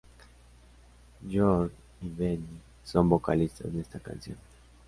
Björn y Benny son vocalistas de esta canción.